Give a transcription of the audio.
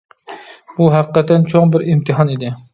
بۇ، ھەقىقەتەن چوڭ بىر ئىمتىھان ئىدى.